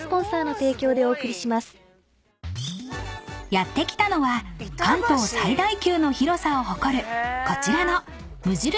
［やって来たのは関東最大級の広さを誇るこちらの］